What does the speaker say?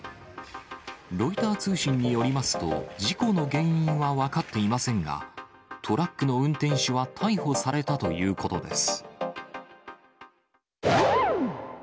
ロイター通信によりますと、事故の原因は分かっていませんが、トラックの運転手は逮捕されたということです。